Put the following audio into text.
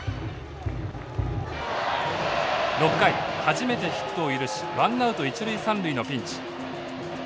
６回初めてヒットを許しワンナウト一塁三塁のピンチ。